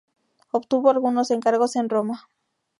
Obtuvo algunos encargos en Roma.